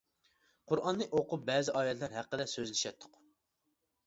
قۇرئاننى ئوقۇپ بەزى ئايەتلەر ھەققىدە سۆزلىشەتتۇق.